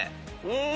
うん！